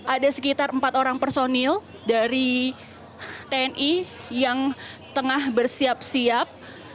ada sekitar empat orang personil dari tni yang tengah bersiap siap